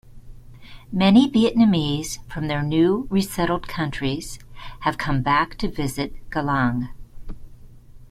Many Vietnamese from their new resettled countries have come back to visit Galang.